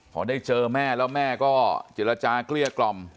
พอได้เจอแม่แล้วแม่ก็เจรจาเกลี้ยกล่อม